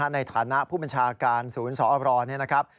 ในฐานะผู้บัญชาการศูนย์สอบรนี่นะครับ